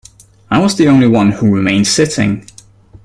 I was the only one who remained sitting.